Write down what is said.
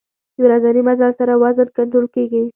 د ورځني مزل سره وزن کنټرول کېږي.